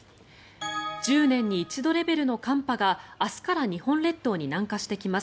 １０年に一度レベルの寒波が明日から日本列島に南下してきます。